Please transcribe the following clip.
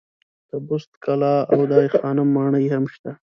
د بست کلا او دای خانم ماڼۍ هم شته.